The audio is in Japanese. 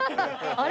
あれ？